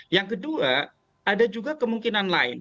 yang kedua ada juga kemungkinan lain